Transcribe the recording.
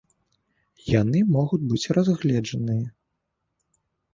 Яны могуць быць разгледжаныя.